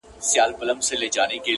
ستا له نوم سره گنډلي ورځي شپې دي -